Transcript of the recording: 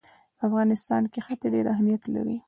په افغانستان کې ښتې ډېر اهمیت لري.